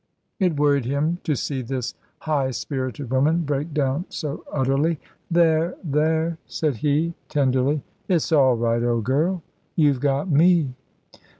It worried him to see this high spirited woman break down so utterly. "There, there," said he, tenderly; "it's all right, old girl. You've got me."